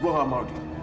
gue gak mau itu